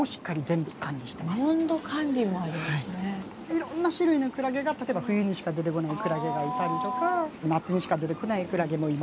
いろんな種類のクラゲが例えば冬にしか出てこないクラゲがいたりとか夏にしか出てこないクラゲもいますし。